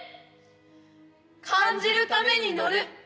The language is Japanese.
感じるために乗る。